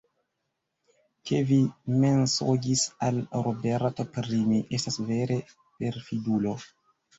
Ke vi mensogis al Roberto pri mi, estas vere, perfidulo.